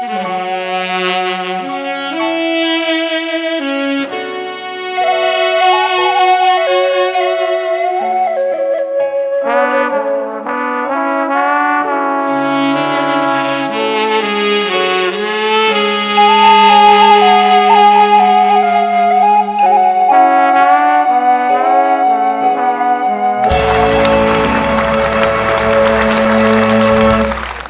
สุดท้ายคุณแม่นอน